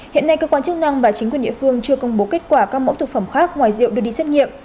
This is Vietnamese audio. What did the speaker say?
hiện nay cơ quan chức năng và chính quyền địa phương chưa công bố kết quả các mẫu thực phẩm khác ngoài rượu đưa đi xét nghiệm